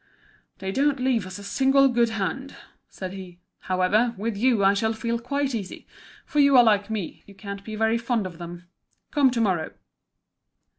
"They don't leave us a single good hand," said he. "However, with you I shall feel quite easy, for you are like me, you can't be very fond of them. Come to morrow."